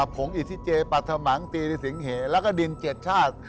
ผงอิทธิเจปรัฐมังตีริสิงเหแล้วก็ดิน๗ชาติ